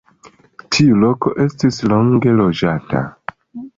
Tiu loko estis longe loĝata.